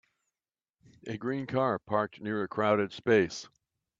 A green car parked near a crowded space.